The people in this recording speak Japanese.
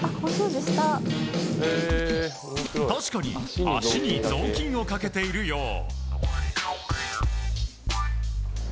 確かに、足にぞうきんをかけているよう。